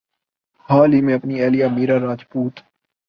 حال ہی میں اپنی اہلیہ میرا راجپوت